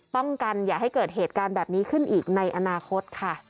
ป้องกันอย่าให้เกิดเหตุการณ์แบบนี้ขึ้นอีกในอนาคตค่ะ